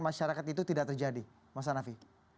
masyarakat itu tidak terjadi mas hanafi